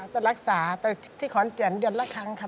ก็รักษาไปที่ขอนแก่นเดือนละครั้งค่ะ